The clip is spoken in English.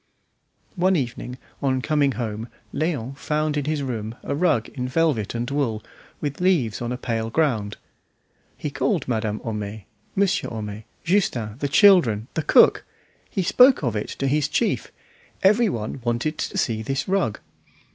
One evening on coming home Léon found in his room a rug in velvet and wool with leaves on a pale ground. He called Madame Homais, Monsieur Homais, Justin, the children, the cook; he spoke of it to his chief; every one wanted to see this rug.